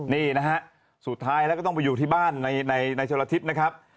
นี่นะฮะสุดท้ายแล้วก็ต้องไปอยู่ที่บ้านในชนลทิศนะครับ